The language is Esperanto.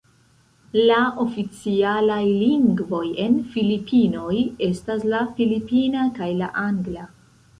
La oficialaj lingvoj en Filipinoj estas la filipina kaj la angla.